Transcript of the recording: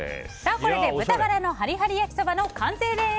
これで豚バラのハリハリ焼きそばの完成です。